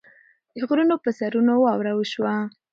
د غرونو پۀ سرونو واوره وشوه